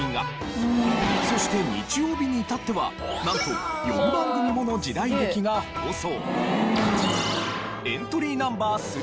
そして日曜日に至ってはなんと４番組もの時代劇が放送。